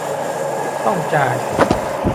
ต้องจ่าย